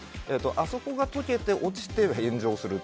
あそこが溶けて落ちて炎上する。